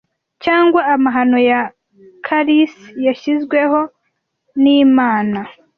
cyangwa amahano ya chalice yashyizweho nimana